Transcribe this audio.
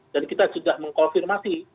dan kita sudah mengkonfirmasi